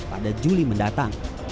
pada juli mendatang